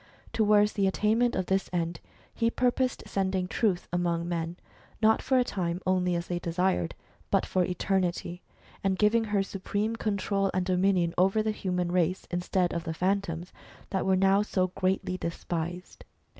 Towards the attainment of this end, he purposed sending Truth among men, not for a time only as they desired, but for eternity, and giving her supreme control and dominion over the human race, instead of the Phantoms that were now so greatly despised.